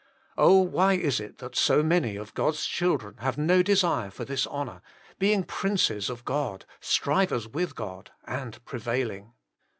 Oh ! why is it that so many of God s children have no desire for this honour being princes of God, strivers with God, and prevailing